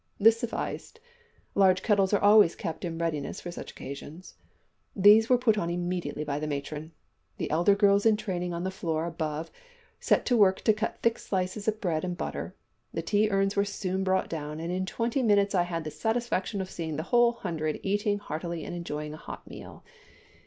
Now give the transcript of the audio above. This sufficed. Large kettles are always kept in readiness for such occasions. These were put on immediately by the matron. The elder girls in training on the floor above set to work to cut thick slices of bread and butter, the tea urns were soon brought down, and in twenty minutes I had the satisfaction of seeing the whole hundred eating heartily and enjoying a hot meal.